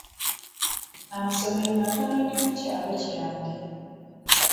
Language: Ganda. Amasomero matono nnyo ku kyalo kyange.